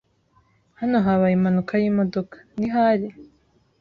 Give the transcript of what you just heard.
Hano habaye impanuka yimodoka, ntihari?